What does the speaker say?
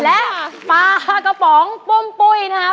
และปลากระป๋องปุ้มปุ้ยนะครับ